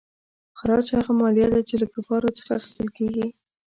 خراج هغه مالیه ده چې له کفارو څخه اخیستل کیږي.